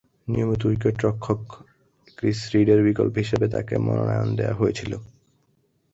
নিয়মিত উইকেট-রক্ষক ক্রিস রিডের বিকল্প হিসেবে তাকে মনোনয়ন দেয়া হয়েছিল।